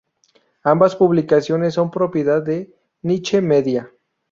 Ambas publicaciones son propiedad de Niche Media.